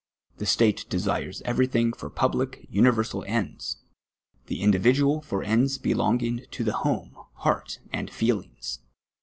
Tlie state desires everything for public, universal ends ; the individual for ends belonging to the home, heart, and feelings.